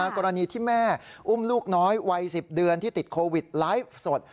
กรณีที่แม่อุ้มลูกน้อยวัย๑๐เดือนที่ติดโควิดไลฟ์สด